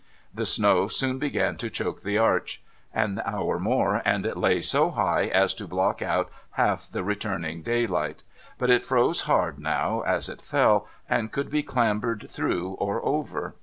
The snow soon began to choke the arch. An hour more, and it lay so high as to block out half the returning daylight. But it froze hard now, as it fell, and could be clambered through or over.